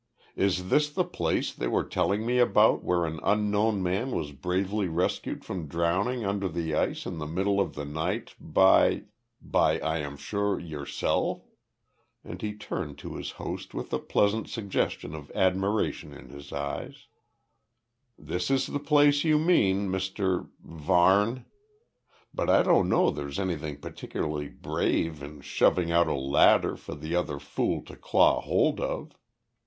Is this the place they were telling me about where an unknown man was bravely rescued from drowning under the ice in the middle of the night, by by, I am sure, yourself?" And he turned to his host with a pleasant suggestion of admiration in his eyes. "This is the place you mean, Mr Varne. But I don't know there's anything particularly `brave' in shoving out a ladder for the other fool to claw hold of."